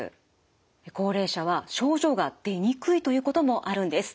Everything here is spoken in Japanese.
高齢者は症状が出にくいということもあるんです。